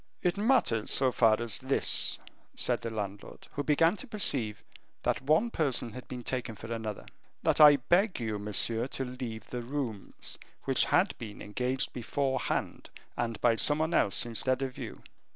"It matters so far as this," said the landlord, who began to perceive that one person had been taken for another, "that I beg you, monsieur, to leave the rooms, which had been engaged beforehand, and by some one else instead of you."